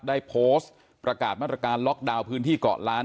ได้โพสต์ประกาศมาตรการล็อกดาวน์พื้นที่เกาะล้าน